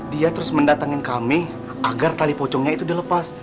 dia terus mendatangin kami agar tali pocongnya itu dilepas